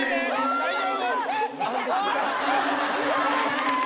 大丈夫？